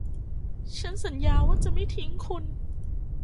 ฉันสัญญาว่าจะไม่ทิ้งคุณ